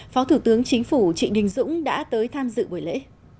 phó thủ tướng chính phủ trịnh đình dũng đã tới tham dự buổi lễ